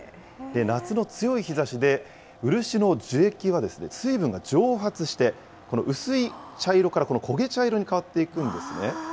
夏の強い日ざしで漆の樹液は水分が蒸発して、薄い茶色からこの焦げ茶色に変わっていくんですね。